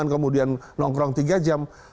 kemudian nongkrong tiga jam